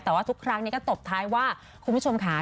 แต่ว่าทุกครั้งนี้ก็ตบท้ายว่าคุณผู้ชมค่ะ